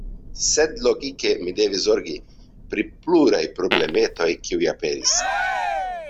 Sed logike mi devis zorgi pri pluraj problemetoj, kiuj aperis.